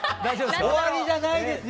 終わりじゃないですよ。